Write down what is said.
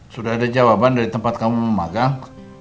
sudah ada jawaban dari tempat kamu memagang